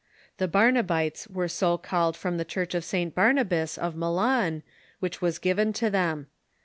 The Barnabites were so called from the Church of St. Barnabas, of Milan, which was given to them.